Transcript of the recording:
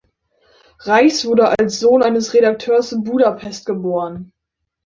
Reisz wurde als Sohn eines Redakteurs in Budapest geboren.